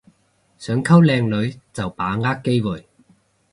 想溝靚女就把握機會